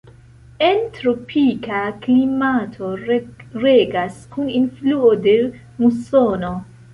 En tropika klimato regas kun influo de musono.